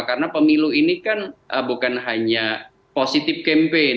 karena pemilu ini kan bukan hanya positif campaign